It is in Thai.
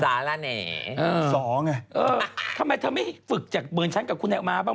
สองไงเออทำไมเธอไม่ฝึกจากเหมือนฉันกับคุณแอลมาบ้าง